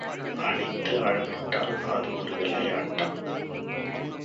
அடித்து அழ விட்டால் அது ஒரு விளையாட்டா?